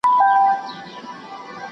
¬ د زمري په خوله کي هم خېر غواړه.